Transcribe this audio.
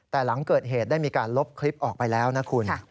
แต่หลังเกิดเหตุได้มีการลบคลิปออกไปแล้วนะคุณ